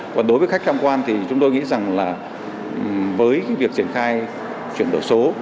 còn đối với khách tham quan thì chúng tôi nghĩ rằng là với việc triển khai chuyển đổi số